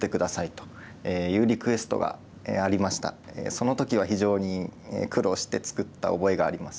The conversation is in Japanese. その時は非常に苦労して作った覚えがあります。